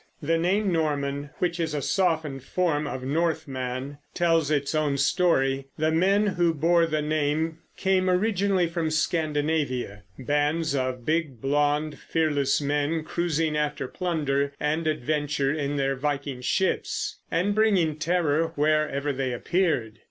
The name Norman, which is a softened form of Northman, tells its own story. The men who bore the name came originally from Scandinavia, bands of big, blond, fearless men cruising after plunder and adventure in their Viking ships, and bringing terror wherever they appeared.